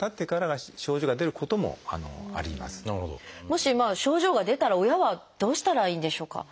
もし症状が出たら親はどうしたらいいんでしょうか？